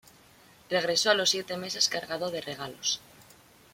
Regresó a los siete meses cargado de regalos.